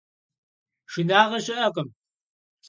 Шынагъэ щыӀэкъым.